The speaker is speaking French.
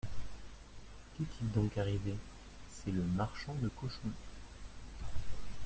«Qu'est-il donc arrivé ?, C'est le marchand de cochons.